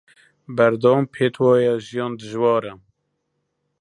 بەردەوام پێت وایە ژیان دژوارە